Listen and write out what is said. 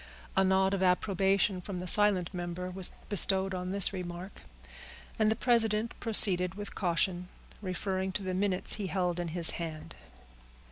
A nod of approbation from the silent member was bestowed on this remark, and the president proceeded with caution, referring to the minutes he held in his hand.